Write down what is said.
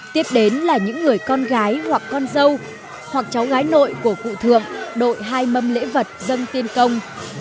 tiếp đến là những người con gái hoặc con dâu hoặc cháu gái nội của cụ thượng đội hai mâm lễ vật dân tiên công